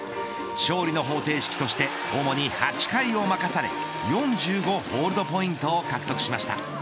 勝利の方程式として主に８回を任され４５ホールドポイントを獲得しました。